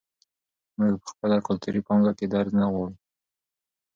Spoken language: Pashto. موږ په خپله کلتوري پانګه کې درز نه غواړو.